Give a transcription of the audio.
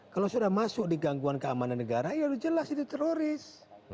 kalau sudah masuk di gangguan keamanan negara ya sudah jelas itu teroris